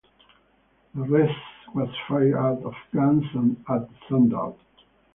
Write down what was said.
The rest was fired out of guns at sundown.